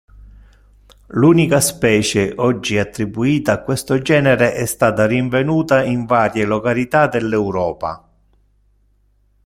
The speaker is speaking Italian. L'unica specie oggi attribuita a questo genere è stata rinvenuta in varie località dell'Europa.